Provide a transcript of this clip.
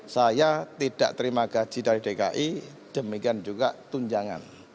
saya tidak terima gaji dari dki demikian juga tunjangan